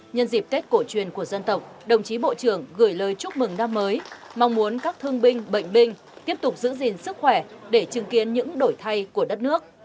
nhân dịp tết cổ truyền của dân tộc đồng chí bộ trưởng gửi lời chúc mừng năm mới mong muốn các thương binh bệnh binh tiếp tục giữ gìn sức khỏe để chứng kiến những đổi thay của đất nước